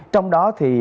trong đó thì